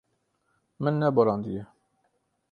Min neborandiye.